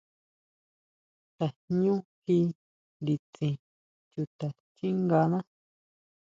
Tajñú ji nditsin chuta xchíngana.